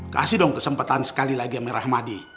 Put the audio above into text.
kasih dong kesempatan sekali lagi sama rahmadi